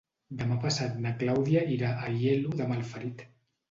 Demà passat na Clàudia irà a Aielo de Malferit.